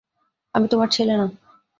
আমি তোমার ছেলে না।